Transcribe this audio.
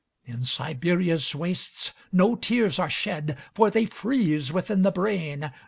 In Siberia's wastesNo tears are shed, For they freeze within the brain.